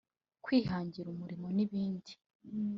kwihangira umurimo n’ibindi